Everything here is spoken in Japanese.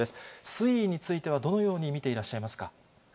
推移についてはどのように見ていらっしゃいますか？